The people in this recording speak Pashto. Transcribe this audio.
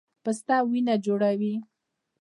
پسته وینه جوړوي